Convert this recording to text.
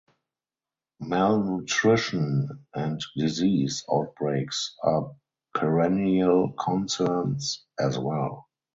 Malnutrition and disease outbreaks are perennial concerns as well.